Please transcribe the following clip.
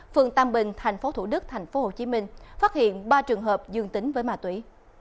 phường tam bình thành phố thủ đức thành phố hồ chí minh phát hiện ba trường hợp dương tính với ma túy